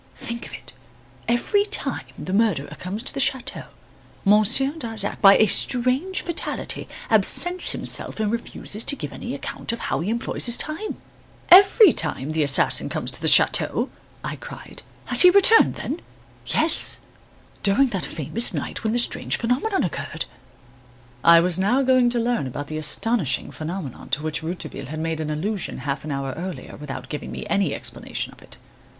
Think of it! every time the murderer comes to the chateau, Monsieur Darzac, by a strange fatality, absents himself and refuses to give any account of how he employs his time." "Every time the assassin comes to the chateau!" I cried. "Has he returned then ?" "Yes, during that famous night when the strange phenomenon occurred." I was now going to learn about the astonishing phenomenon to which Rouletabille had made allusion half an hour earlier without giving me any explanation of it.